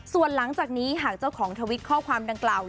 ส่วนหลังจากนี้หากเจ้าของทวิตข้อความดังกล่าว